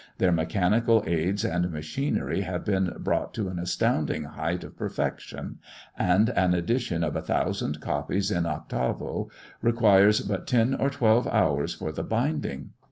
Their mechanical aids and machinery have been brought to an astounding height of perfection, and an edition of a thousand copies in octavo requires but ten or twelve hours for the binding.